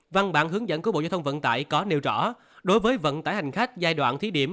văn bản hướng dẫn của bộ giao thông vận tải có nêu rõ đối với vận tải hành khách giai đoạn thí điểm